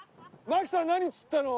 槙さん何釣ったの？